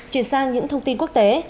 chuyển sang những thông tin quốc tế